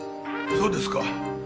そうですか。